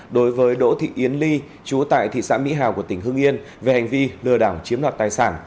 đối với đỗ thị yến ly chú tại thị xã mỹ hào của tỉnh hưng yên về hành vi lừa đảo chiếm đoạt tài sản